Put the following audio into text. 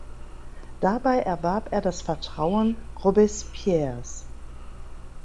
Dabei erwarb er das Vertrauen Robespierres.